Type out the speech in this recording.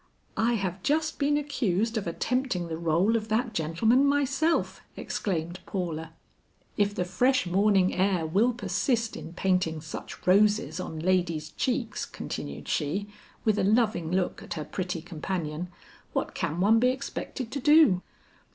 "I have just been accused of attempting the rôle of that gentleman myself," exclaimed Paula. "If the fresh morning air will persist in painting such roses on ladies' cheeks," continued she, with a loving look at her pretty companion "what can one be expected to do?"